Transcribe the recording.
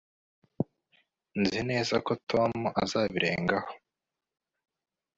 nzi neza ko tom azabirengaho